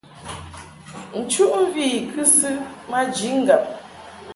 Nchuʼmvi i kɨsɨ maji ŋgab.